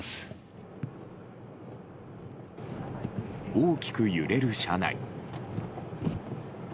大きく揺れる車内。